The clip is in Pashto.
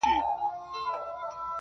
ما په لفظو کي بند پر بند ونغاړه.